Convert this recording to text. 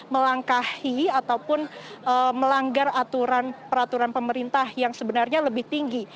melangkahi ataupun melanggar aturan peraturan pemerintah yang sebenarnya lebih tinggi